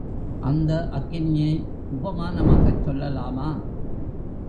அந்த அக்கினியை உபமானமாகச் சொல்லலாமா?